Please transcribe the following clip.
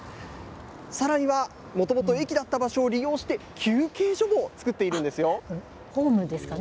さらには、もともと駅だった場所を利用して、休憩所も作っているホームですかね。